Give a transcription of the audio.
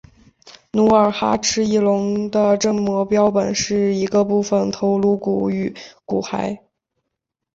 努尔哈赤翼龙的正模标本是一个部份头颅骨与骨骸。